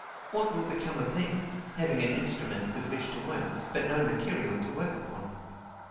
What will become of them, having an instrument with which to work, but no material to work upon?